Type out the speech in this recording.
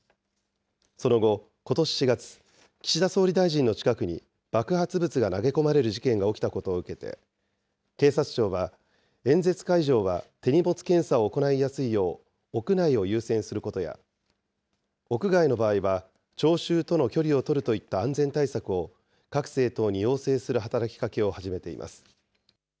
その後、ことし４月、岸田総理大臣の近くに爆発物が投げ込まれる事件が起きたことを受けて、警察庁は、演説会場は手荷物検査を行いやすいよう、屋内を優先することや、屋外の場合は、聴衆との距離をとるといった安全対策を、各政党に要請する働きかけを始めています。